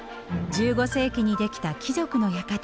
１５世紀に出来た貴族の館